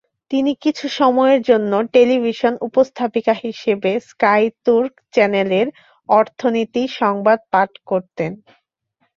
তিনি কিছু সময়ের জন্যে টেলিভিশন উপস্থাপিকা হিসেবে স্কাই তুর্ক চ্যানেলের অর্থনীতি সংবাদ পাঠ করতেন।